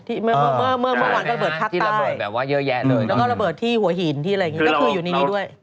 เมื่อเมื่อวันระเบิดพักที่ระเบิดแบบว่าเยอะแยะเลยแล้วก็ระเบิดที่หัวหินที่อะไรอย่างงี้ก็คืออยู่ในนี้ด้วย